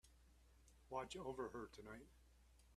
Watch over her tonight.